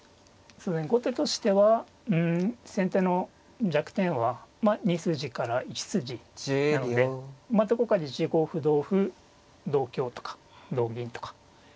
後手としては先手の弱点は２筋から１筋なのでどこかで１五歩同歩同香とか同銀とか。